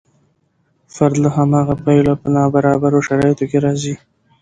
فرد له هماغه پیله په نابرابرو شرایطو کې راځي.